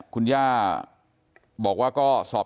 คุณย่าบอกว่าก็สอบการณ์นี้นะครับ